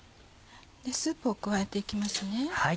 スープを加えて行きます。